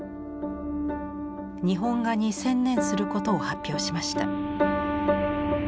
日本画に専念することを発表しました。